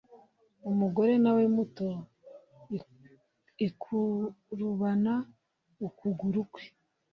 umugore nawe moto ikurubana ukuguru kwe